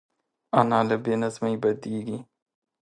انا له بې نظمۍ بدېږي